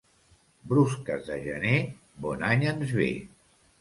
Brusques de gener, bon any ens ve.